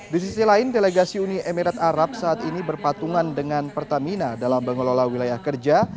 di sisi lain delegasi uni emirat arab saat ini berpatungan dengan pertamina dalam mengelola wilayah kerja